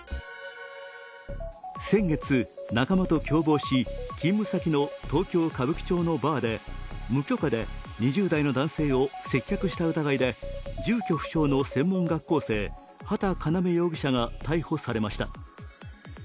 先月、仲間と共謀し、勤務先の東京・歌舞伎町のバーで、無許可で２０代の男性を接客した疑いで住居不詳の専門学校生畠叶夢容疑者が逮捕されました。